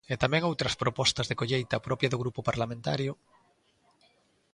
E tamén outras propostas de colleita propia do grupo parlamentario.